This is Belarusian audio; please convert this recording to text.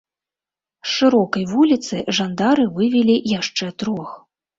З шырокай вуліцы жандары вывелі яшчэ трох.